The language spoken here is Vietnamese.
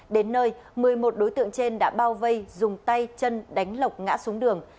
đến nơi một mươi một đối tượng trên đã bao vây dùng tay chân đánh lộc ngã xuống đường